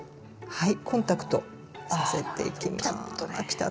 はい。